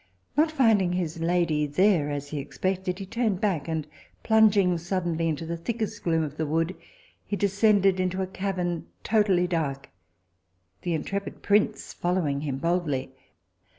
Not finding his lady there, as he expected, he turned back, and plunging suddenly into the thickest gloom of the wood, he descended into a cavern totally dark, the intrepid prince following him boldly.